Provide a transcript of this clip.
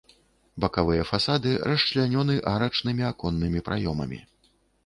Бакавыя фасады расчлянёны арачнымі аконнымі праёмамі.